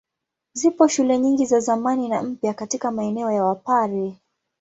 Zipo shule nyingi za zamani na mpya katika maeneo ya Wapare.